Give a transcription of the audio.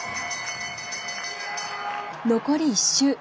残り１周。